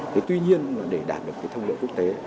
thế tuy nhiên mà để đạt được cái thông lệ quốc tế